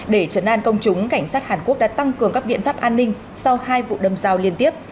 để trấn an công chúng cảnh sát hàn quốc đã tăng cường các biện pháp an ninh sau hai vụ đâm giao liên tiếp